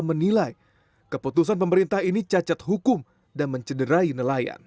menilai keputusan pemerintah ini cacat hukum dan mencederai nelayan